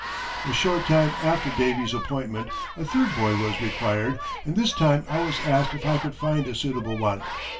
A short time after "Davy's" appointment a third boy was required, and this time I was asked if I could find a suitable one.